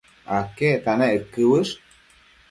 aquecta nec uëquë uësh?